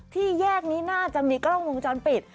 ที่แยกนี้น่าจะมีกล้องวงจรปิด